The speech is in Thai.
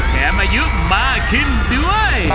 แถมอายุมากขึ้นด้วย